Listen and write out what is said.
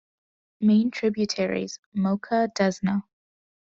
Main tributaries: Mocha, Desna.